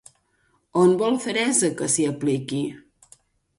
On vol Theresa que s'hi apliqui?